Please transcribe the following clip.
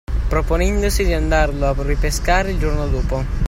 Proponendosi di andarlo a ripescare il giorno dopo.